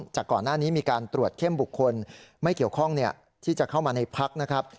จากก่อนหน้านี้มีการตรวจเข้มบุคคลไม่เกี่ยวข้องที่จะเข้ามาในพักนะครับ